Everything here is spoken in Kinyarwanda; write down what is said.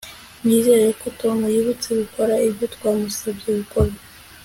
Nizere ko Tom yibutse gukora ibyo twamusabye gukora